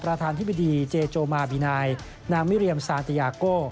ประธานธิบดีเจโจมาบินัยนางมิเรียมซานติยาโก้